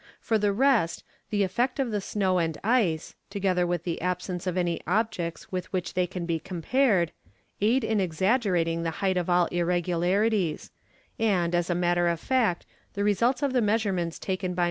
For the rest, the effect of the snow and ice, together with the absence of any objects with which they can be compared, aid in exaggerating the height of all irregularities, and, as a matter of fact, the results of the measurements taken by M.